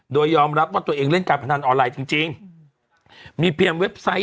โดยยอมรับว่าตัวเองเล่นการพนันออนไลน์จริงจริงมีเพียงเว็บไซต์